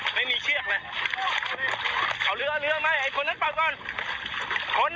เมื่อเวทีหลีบไปทำตามแฟสประโยชน์